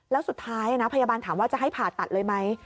แล้วสุดท้ายนะพยาบาลถามว่าจะให้ผ่าตัดเลยไหม